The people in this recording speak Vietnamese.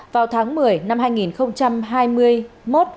vào tháng một mươi năm hai nghìn hai mươi một